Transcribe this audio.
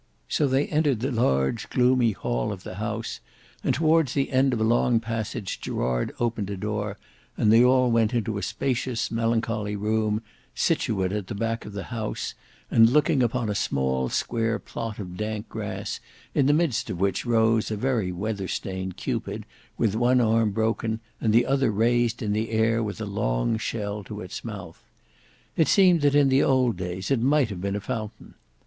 So they entered the large gloomy hail of the house, and towards the end of a long passage Gerard opened a door, and they all went into a spacious melancholy room, situate at the back of the house, and looking upon a small square plot of dank grass, in the midst of which rose a very weather stained Cupid, with one arm broken, and the other raised in the air with a long shell to its mouth. It seemed that in old days it might have been a fountain.